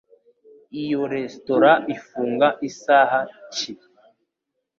Iyo resitora ifunga isaha ki?